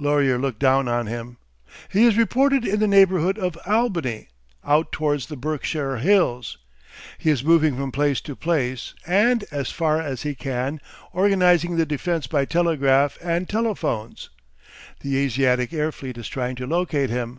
Laurier looked down on him. "He is reported in the neighbourhood of Albany out towards the Berkshire Hills. He is moving from place to place and, as far as he can, organising the defence by telegraph and telephones The Asiatic air fleet is trying to locate him.